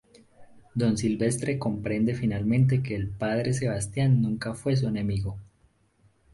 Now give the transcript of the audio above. Don Silvestre comprende finalmente que el Padre Sebastián nunca fue su enemigo.